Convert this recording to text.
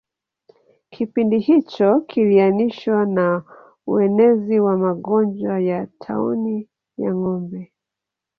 Kipindi hicho kiliainishwa na uenezi wa magonjwa ya tauni ya ngombe